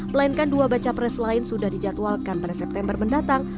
melainkan dua baca pres lain sudah dijadwalkan pada september mendatang